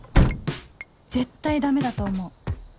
絶対ダメだと思う